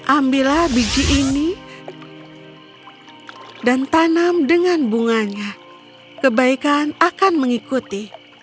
ambillah biji ini dan tanam dengan bunganya kebaikan akan mengikuti